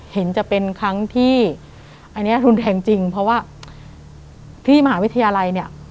เห็นจะเป็นครั้งที่อันนี้รุนแรงจริงเพราะว่าที่มหาวิทยาลัยเนี่ย